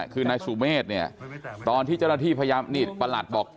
คือนายสุเมฆเนี่ยตอนที่เจ้าหน้าที่พยายามนี่ประหลัดบอก